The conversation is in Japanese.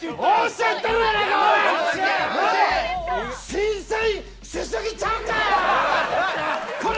審査員しすぎちゃうんかこら。